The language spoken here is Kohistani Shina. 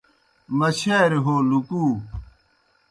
مچھاریْ ہو لُکُو